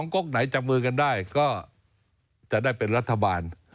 ก๊กไหนจับมือกันได้ก็จะได้เป็นรัฐบาล